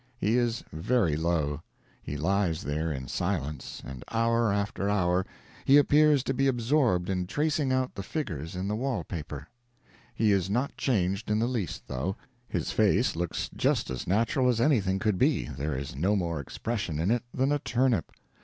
He is very low; he lies there in silence, and hour after hour he appears to be absorbed in tracing out the figures in the wall paper. He is not changed in the least, though; his face looks just as natural as anything could be there is no more expression in it than a turnip.